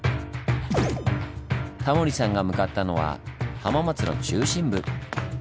タモリさんが向かったのは浜松の中心部。